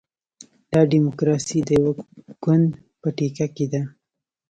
دا ډیموکراسي د یوه ګوند په ټیکه کې ده.